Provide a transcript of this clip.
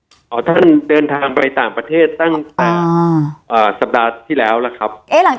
พอบอลเตินทางไปส่ามอเมริกาสัปดาห์ที่แล้วครับ